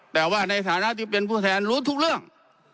แต่ว่าในฐานะที่เป็นผู้แทนรู้ทุกเรื่อง